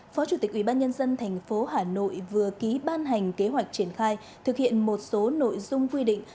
phó chủ tịch ubnd tp hà nội vừa ký ban hành kế hoạch triển khai thực hiện một số nội dung quy định